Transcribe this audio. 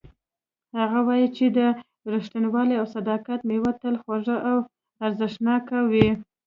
هغه وایي چې د ریښتینولۍ او صداقت میوه تل خوږه او ارزښتناکه وي